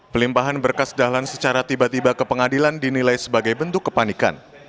pelimpahan berkas dahlan secara tiba tiba ke pengadilan dinilai sebagai bentuk kepanikan